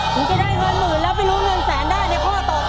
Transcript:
ถึงจะได้เงินหมื่นแล้วไปลุ้นเงินแสนได้ในข้อต่อไป